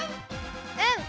うん！